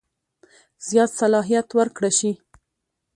زیات صلاحیت ورکړه شي.